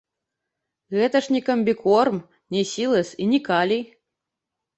Гэта ж не камбікорм, не сілас і не калій.